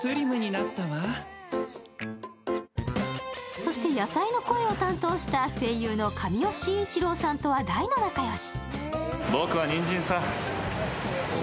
そして、野菜の声を担当した声優の神尾晋一郎さんとは大の仲良し。